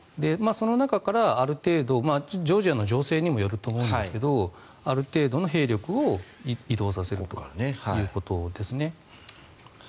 その中からある程度ジョージアの情勢にもよると思うんですがある程度の兵力を移動させるということですね。